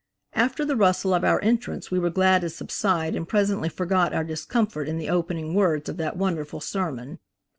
After the rustle of our entrance we were glad to subside and presently forgot our discomfort in the opening words of that wonderful sermon.